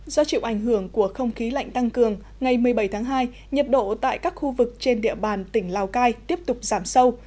do chịu ảnh hưởng của không khí lạnh tăng cường ngày một mươi bảy tháng hai nhiệt độ tại các khu vực trên địa bàn tỉnh lào cai tiếp tục giảm sâu